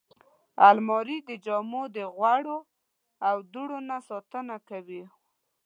الماري د جامو د غوړو او دوړو نه ساتنه کوي